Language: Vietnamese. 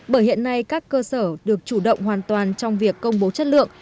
bởi hiện nay các cơ sở được chủ động hoàn toàn trong việc công bố chất lượng